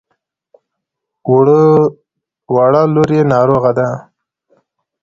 وړه لور يې ناروغه ده.